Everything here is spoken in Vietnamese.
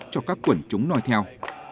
cho các quần chúng nói theo